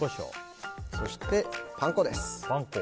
そして、パン粉です。